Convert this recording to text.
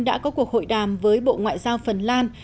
đã có cuộc hội đàm với bộ ngoại giao phần lan